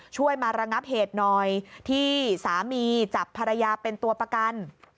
ช่วยมาระงับเหตุหน่อยที่สามีจับภรรยาเป็นตัวประกัน